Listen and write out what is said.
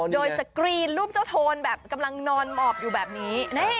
โดยสกรีนรูปเจ้าโทนแบบกำลังนอนหมอบอยู่แบบนี้